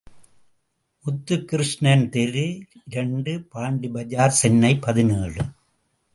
முத்து கிருஷ்ணன் தெரு, இரண்டு, பாண்டிபஜார், சென்னை பதினேழு .